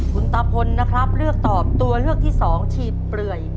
คุณตาพลนะครับเลือกตอบตัวเลือกที่สองฉีดเปลื่อย